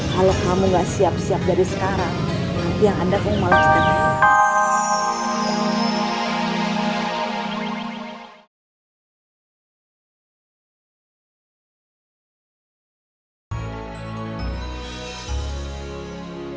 kalau kamu gak siap siap dari sekarang nanti yang anda mau sekarang